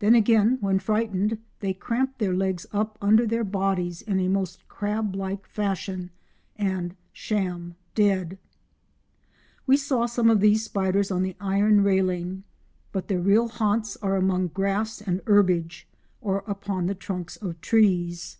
Then again, when frightened they cramp their legs up under their bodies in a most crab like fashion and "sham dead." [Illustration: Fig. 6. A Crab spider (Thomisidae), × 3.] We saw some of these spiders on the iron railing, but their real haunts are among grass and herbage or upon the trunks of trees.